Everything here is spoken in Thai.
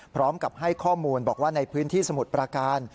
พร้อมกับให้ข้อมูลบอกว่าในพื้นที่สมุทรประการ